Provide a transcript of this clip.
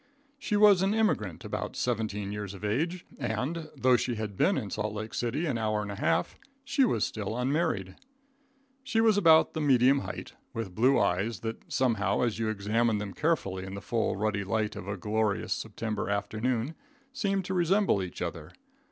She was an emigrant, about seventeen years of age, and, though she had been in Salt Lake City an hour and a half, she was still unmarried. She was about the medium height, with blue eyes, that somehow, as you examined them carefully in the full, ruddy light of a glorious September afternoon, seemed to resemble each other.